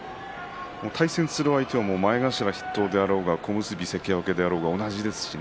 対戦する相手は前頭筆頭であろうが小結関脇であろうが同じですしね。